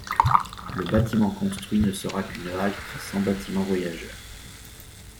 Le bâtiment construit ne sera qu'une halte sans bâtiment voyageurs.